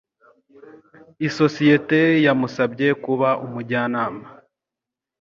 Isosiyete yamusabye kuba umujyanama.